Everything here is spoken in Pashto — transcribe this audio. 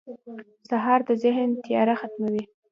سهار د ذهن تیاره ختموي.